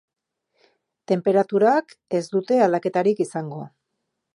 Tenperaturek ez dute aldaketarik izango.